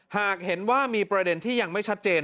หากเห็นว่ามีประเด็นที่ยังไม่ชัดเจน